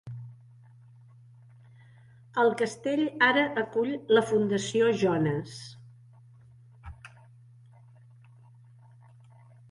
El castell ara acull la Fundació Jonas.